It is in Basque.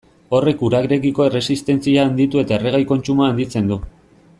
Horrek urarekiko erresistentzia handitu eta erregai kontsumoa handitzen du.